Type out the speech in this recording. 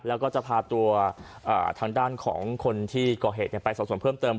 แล้วก็จะพาตัวทางด้านของคนที่ก่อเหตุไปสอบส่วนเพิ่มเติม